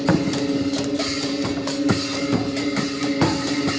สวัสดีสวัสดี